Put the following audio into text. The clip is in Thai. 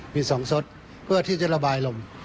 มี๒ซดเพื่อที่จะระบายลม